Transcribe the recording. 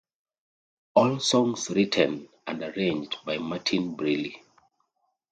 All songs written and arranged by Martin Briley.